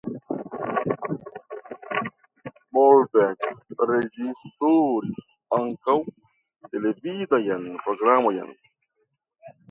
Mollberg reĝisoris ankaŭ televidajn programojn.